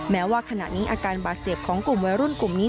แม้ว่าขณะนี้อาการบาดเจ็บของกลุ่มวัยรุ่นกลุ่มนี้